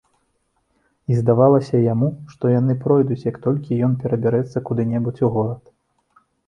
І здавалася яму, што яны пройдуць, як толькі ён перабярэцца куды-небудзь у горад.